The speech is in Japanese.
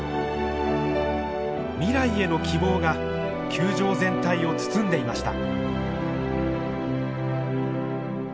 未来への希望が球場全体を包んでいました。